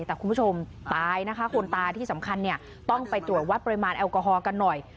แต่คุณผู้ชมตายนะคะคนตายที่สำคัญเนี่ยต้องไปตรวจวัดปริมาณแอลกอฮอลกันหน่อย